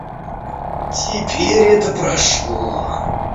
Теперь это прошло.